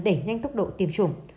đẩy nhanh tốc độ tiêm chủng